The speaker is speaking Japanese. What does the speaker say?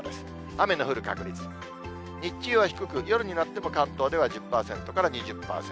雨の降る確率、日中は低く、夜になっても関東では１０％から、２０％。